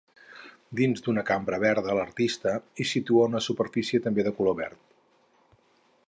Dins d'una cambra verda l'artista hi situa una superfície també de color verd.